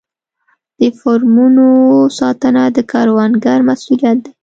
د فارمونو ساتنه د کروندګر مسوولیت دی.